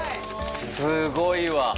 すごいわ。